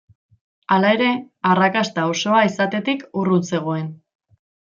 Hala ere, arrakasta osoa izatetik urrun zegoen.